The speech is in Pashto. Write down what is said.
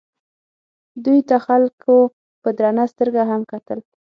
دوی ته خلکو په درنه سترګه هم کتل.